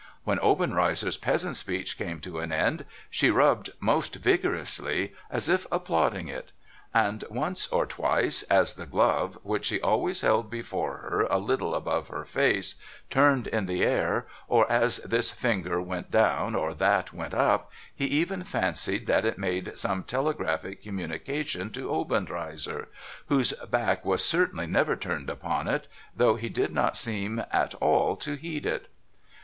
AVhen Obenreizer's peasant speech came to an end, she rubbed most vigorously, as if applauding it. And once or twice, as the glove (which she always held before her a little above her face) turned in the air, or as this finger went down, or that went up, he even fancied that it made some telegraphic communication to Obenreizer : whose back was certainly never turned upon it, though he did not seem at all to heed it.